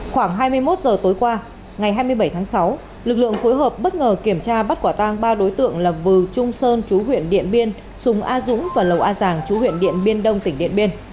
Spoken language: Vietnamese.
khoảng hai mươi một h tối qua ngày hai mươi bảy tháng sáu lực lượng phối hợp bất ngờ kiểm tra bắt quả tang ba đối tượng là vừ trung sơn chú huyện điện biên sùng a dũng và lầu a giàng chú huyện điện biên đông tỉnh điện biên